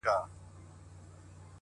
ږغ دي اورمه د شپې په خاموشـۍ كي ‘‘